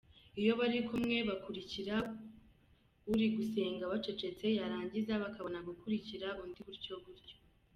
Iyo bari kumwe bakurikira uri gusenga bacecetse, yarangiza bakabona gukurikira undi gutyo gutyo.